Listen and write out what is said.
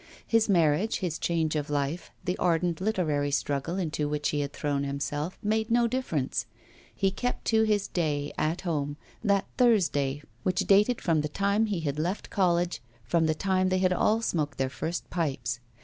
His marriage, his change of life, the ardent literary struggle into which he had thrown himself, made no difference; he kept to his day 'at home,' that Thursday which dated from the time he had left college, from the time they had all smoked their first pipes.